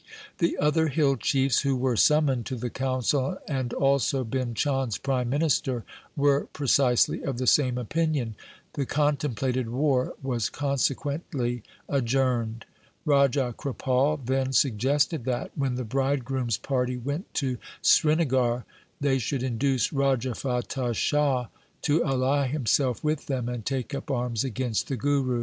The other hill chiefs who were summoned to the council and also Bhim Chand' s prime minister were precisely of the same opinion. The contem plated war was consequently adjourned. Raja Kripal then suggested that, when the bridegroom's party went to Srinagar, they should induce Raja Fatah Shah to ally himself with them and take up arms against the Guru.